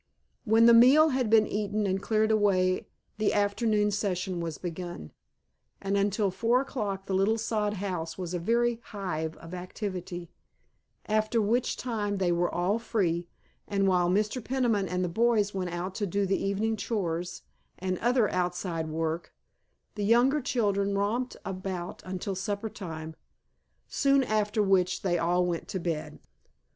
When the meal had been eaten and cleared away the afternoon session was begun, and until four o'clock the little sod house was a very hive of activity, after which time they were all free, and while Mr. Peniman and the boys went out to do the evening chores and other outside work the younger children romped about until supper time, soon after which they all went to bed.